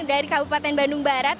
dari kabupaten bandung barat